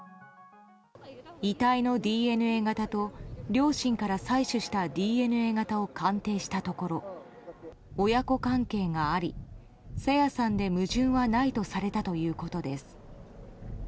遺体のＤＮＡ型と両親から採取したＤＮＡ型を鑑定したところ、親子関係があり朝芽さんで矛盾はないとされたということです。